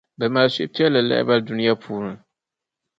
Bɛ mali suhupiεlli lahibali Dunia bɛhigu puuni.